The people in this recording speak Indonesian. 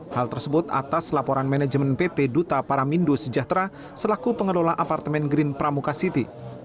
hal tersebut atas laporan manajemen pt duta paramindo sejahtera selaku pengelola apartemen green pramuka city